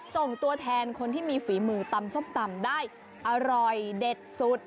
ส่งตัวแทนคนที่มีฝีมือตำส้มตำได้อร่อยเด็ดสุด